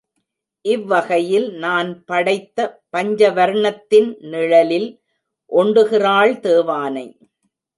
இவ்வகையில் நான் படைத்த பஞ்சவர்ணத்தின் நிழலில் ஒண்டுகிறாள் தேவானை.